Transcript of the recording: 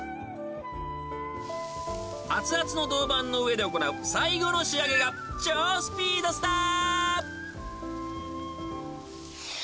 ［熱々の銅板の上で行う最後の仕上げが超スピードスター！］